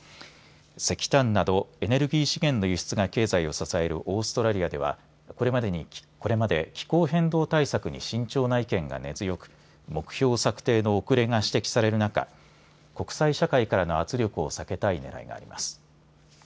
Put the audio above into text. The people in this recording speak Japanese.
石炭などエネルギー資源の輸出が経済を支えるオーストラリアではこれまで気候変動対策に慎重な意見が根強く目標策定の遅れが指摘される中、国際社会からの圧力を避けたいねらいがあります。